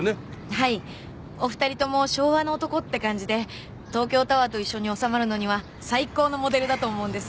お二人共昭和の男って感じで東京タワーと一緒に納まるのには最高のモデルだと思うんです。